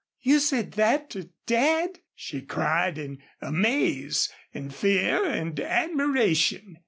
"You said that to Dad!" she cried, in amaze and fear and admiration.